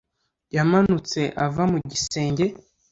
yamanutse ava mu gisenge